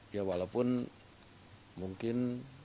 ya walaupun mungkin